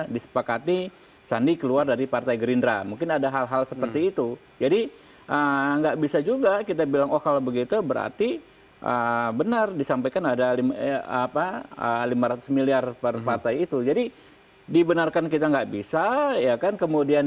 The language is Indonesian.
dan sudah tersambung melalui sambungan telepon ada andi arief wasekjen